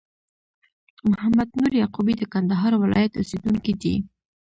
محمد نور یعقوبی د کندهار ولایت اوسېدونکی دي